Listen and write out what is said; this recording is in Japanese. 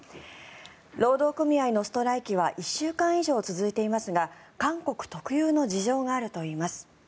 労働組合のストライキは１週間以上続いていますが韓国特有の事情があるといいます。